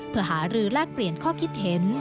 เพื่อหารือแลกเปลี่ยนข้อคิดเห็น